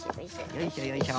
よいしょよいしょ。